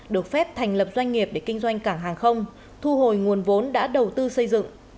được phép thành lập doanh nghiệp để kinh doanh cảng hàng không thu hồi nguồn vốn đã đầu tư xây dựng